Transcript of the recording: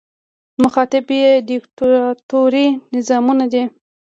مخاطب یې دیکتاتوري نظامونه دي.